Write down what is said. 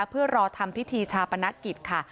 เพื่อรอทำพิธีชาปนกิจค่ะ